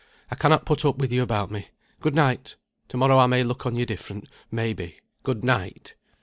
I cannot put up with you about me. Good night. To morrow I may look on you different, may be. Good night."